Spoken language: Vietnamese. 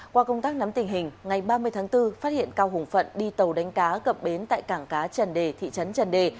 qua công tác nắm tình hình ngày ba mươi tháng bốn phát hiện cao hùng phận đi tàu đánh cá cập bến tại cảng cá trần đề thị trấn trần đề